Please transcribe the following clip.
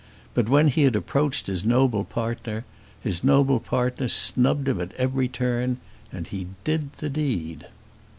But when he had approached his noble partner, his noble partner snubbed him at every turn, and he did the deed.